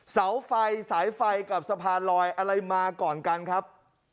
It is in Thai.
เสาไฟสายไฟกับสะพานลอยอะไรมาก่อนกันครับ